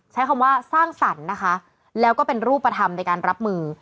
ใช้คำว่าสร้างสรรค์นะคะแล้วก็เป็นรูปธรรมในการรับมือ